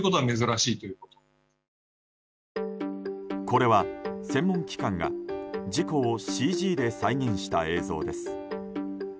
これは専門機関が事故をＣＧで再現した映像です。